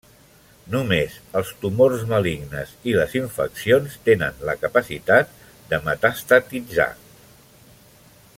Només els tumors malignes i les infeccions tenen la capacitat de metastatitzar.